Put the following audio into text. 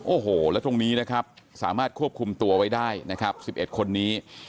โอ้โหแล้วตรงนี้นะครับสามารถควบคุมตัวไว้ได้นะครับ๑๑คนนี้